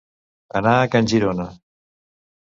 Anar a can Girona.